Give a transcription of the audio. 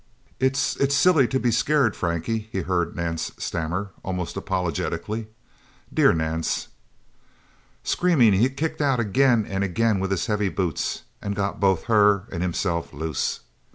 "It's it's silly to be so scared, Frankie..." he heard Nance stammer almost apologetically. Dear Nance... Screaming, he kicked out again and again with his heavy boots, and got both her and himself loose.